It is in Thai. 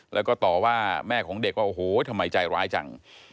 แล้วก็ต่อว่าแม่ของเด็กว่าโอ้โหทำไมใจร้ายจัง